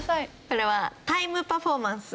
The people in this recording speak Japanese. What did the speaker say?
これはタイムパフォーマンス。